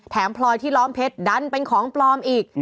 พลอยที่ล้อมเพชรดันเป็นของปลอมอีก